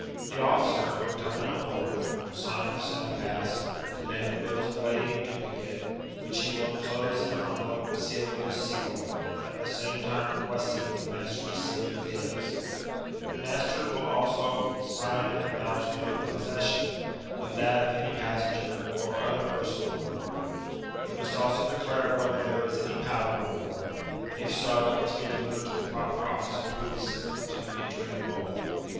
The officer, on cominff on board, wiU sign the Sound pass, demand the bills of lading in duplicate, whidi ne will enclose in an envelope and seal with his seal, at the same tune requertiiig the master to seal it with his. The master will also sign an acknowledgment of the exact number of bills of lading. All letters must also he shown, either in the master's possession, or that of any passenger, or other person on board. He must also declare whether there is any powder on board; if so, it must be delivered to the proper officer jxrevious to entering the Mole.